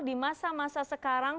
di masa masa sekarang